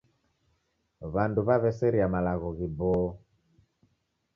W'andu w'aw'eseria malagho ghiboo.